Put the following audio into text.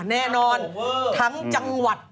แน่นอนทั้งจังหวัด